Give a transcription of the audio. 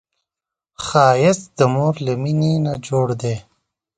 ښایست د مور له مینې نه جوړ دی